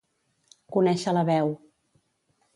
Conèixer la veu.